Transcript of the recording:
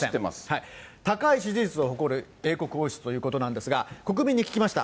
高い支持率を誇る英国王室ということなんですが、国民に聞きました。